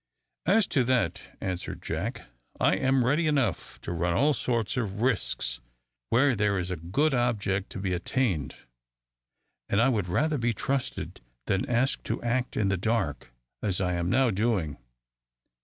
"As to that," answered Jack, "I am ready enough to run all sorts of risks where there is a good object to be attained; and I would rather be trusted than asked to act in the dark, as I am now doing!"